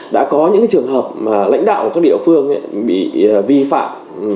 đã có những trường hợp mà lãnh đạo các địa phương bị vi phạm